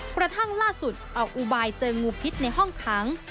กระทั่งล่าสุดออกอุบายเจองูพิษในห้องขัง